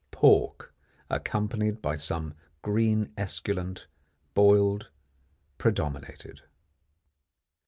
Pork, accompanied by some green esculent, boiled, predominated.